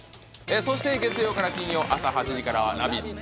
そして月曜から金曜朝８時からは「ラヴィット！」